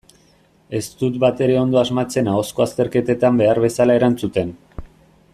Ez dut batere ondo asmatzen ahozko azterketetan behar bezala erantzuten.